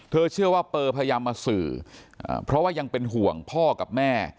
เชื่อว่าเปอร์พยายามมาสื่อเพราะว่ายังเป็นห่วงพ่อกับแม่